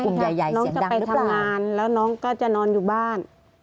น้องจะไปทำงานแล้วน้องก็จะนอนอยู่บ้าน